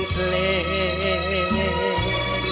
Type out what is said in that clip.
เพลง